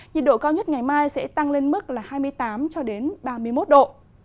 nhiệt độ cao nhất ngày mai sẽ tăng lên mức hai mươi tám ba mươi một độ